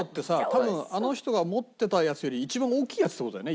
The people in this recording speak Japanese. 多分あの人が持ってたやつより一番大きいやつって事だよね？